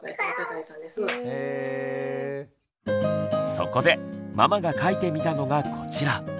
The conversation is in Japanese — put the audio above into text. そこでママが描いてみたのがこちら。